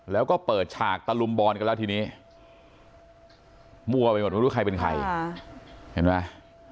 แล้วก็เปิดฉากตะลุมบอลกันแล้วทีนี้มั่วไปหมดไม่รู้ใครเป็นใครเห็นไหม